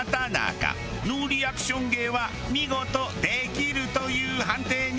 ノーリアクション芸は見事「できる」という判定に。